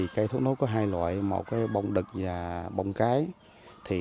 cây thốt nốt có hai loại một bông đực và bông cái